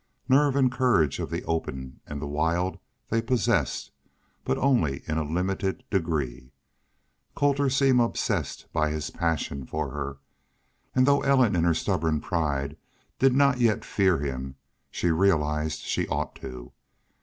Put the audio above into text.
Nerve and courage of the open and the wild they possessed, but only in a limited degree. Colter seemed obsessed by his passion for her, and though Ellen in her stubborn pride did not yet fear him, she realized she ought to.